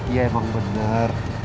iya emang bener